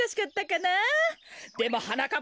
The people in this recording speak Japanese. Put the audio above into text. でもはなかっ